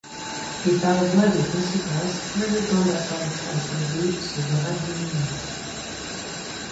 Et par voie de conséquence, plus le temps d'attente entre deux se verra diminuée.